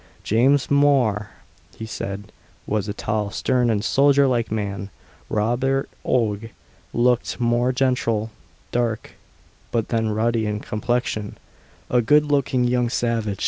James Mhor, he said, was a tall, stern, and soldier like man. Robin Oig looked more gentle; dark, but yet ruddy in complexion a good looking young savage.